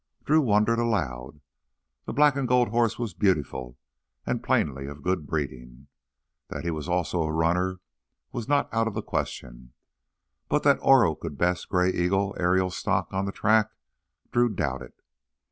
Drew wondered aloud. The black and gold horse was beautiful and plainly of good breeding. That he was also a runner was not out of the question. But that Oro could best Gray Eagle Ariel stock on the track, Drew doubted.